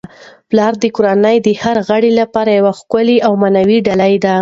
پلار د کورنی د هر غړي لپاره یو ښکلی او معنوي ډالۍ ده.